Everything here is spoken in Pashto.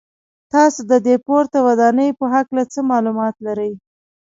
تاسو د دې پورته ودانۍ په هکله څه معلومات لرئ.